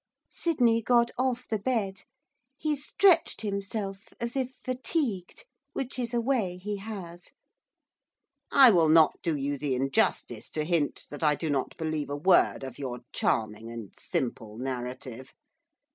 Sydney got off the bed. He stretched himself, as if fatigued, which is a way he has. 'I will not do you the injustice to hint that I do not believe a word of your charming, and simple, narrative.